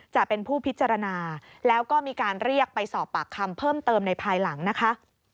จะเป็นผู้พิจารณาแล้วก็มีการเรียกไปสอบปากคำเพิ่มเติมในภายหลังนะคะ